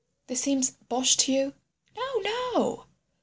"This seems bosh to you?" "No, no!"